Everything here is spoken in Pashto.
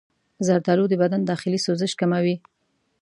زردآلو د بدن داخلي سوزش کموي.